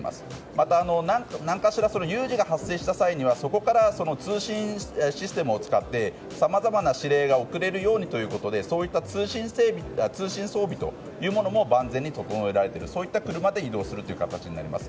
また何かしらの有事が発生した際にはそこから通信システムを使ってさまざまな指令が送れるようにということで通信装備というものも万全に整えられているそういった車で移動するという形になります。